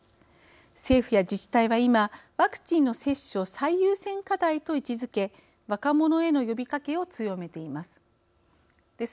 政府や自治体は今、ワクチンの接種を最優先課題と位置づけ若者への呼びかけを強めています。